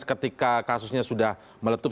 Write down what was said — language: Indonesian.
ketika kasusnya sudah meletup